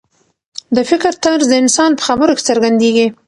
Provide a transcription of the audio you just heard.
د فکر طرز د انسان په خبرو کې څرګندېږي.